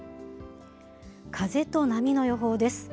風と波の予報です。